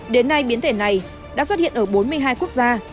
đến nay biến thể này đã xuất hiện ở bốn mươi hai quốc gia